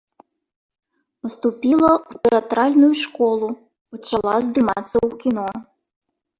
Паступіла ў тэатральную школу, пачала здымацца ў кіно.